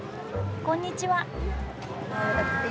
こんにちは。